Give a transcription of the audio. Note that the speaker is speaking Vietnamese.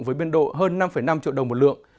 với biên độ hơn năm năm triệu đồng một lượng